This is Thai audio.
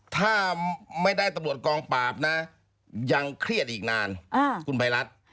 ถ้าไม่ได้ตำรวจกองปราบนะยังเครียดอีกนานคุณภัยรัฐ